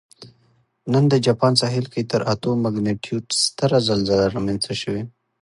نن د جاپان ساحل کې تر اتو مګنیټیوډ ستره زلزله رامنځته شوې